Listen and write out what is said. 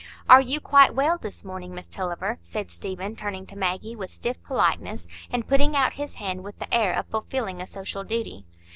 "Are you quite well this morning, Miss Tulliver?" said Stephen, turning to Maggie with stiff politeness, and putting out his hand with the air of fulfilling a social duty.